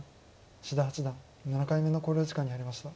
志田八段７回目の考慮時間に入りました。